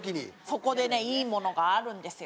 そこでねいいものがあるんですよ。